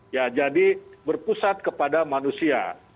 ya jadi berpusat kepada manusia